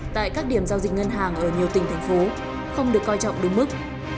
tại các điểm giao dịch ngân hàng ở nhiều tỉnh thành phố không được coi trọng đúng mức